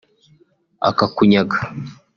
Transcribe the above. akakunyaga